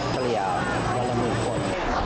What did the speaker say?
เกรียร์วันละหมื่นคน